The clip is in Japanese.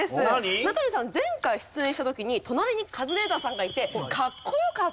前回出演した時に隣にカズレーザーさんがいてかっこよかったと。